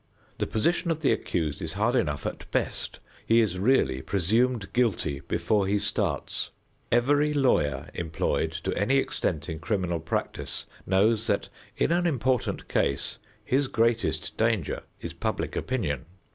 The position of the accused is hard enough at best. He is really presumed guilty before he starts. Every lawyer employed to any extent in criminal practice knows that in an important case his greatest danger is public opinion.